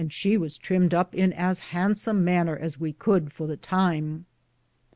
35 she was trimed up in as handsom maner as we could for the time.